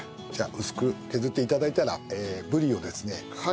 じゃあ薄く削って頂いたらブリをですね